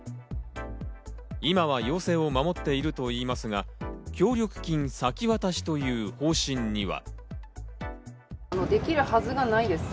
今は要請を守っているといいますが、協力金先渡しという方針には。